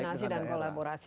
koordinasi dan kolaborasi